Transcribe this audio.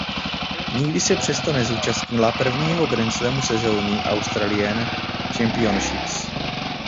Nikdy se přesto nezúčastnila prvního grandslamu sezóny Australian Championships.